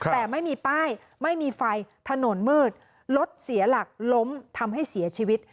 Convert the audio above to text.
แต่ไม่มีป้ายไม่มีไฟถนนมืดรถเสียหลักล้มทำให้เสียชีวิต